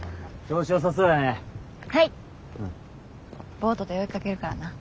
ボートで追いかけるからな。